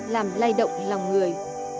làm lay động lòng người